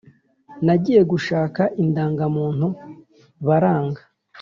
Nagiye gushaka indangamuntu baranga